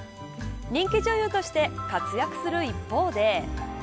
人気女優として活躍する一方で。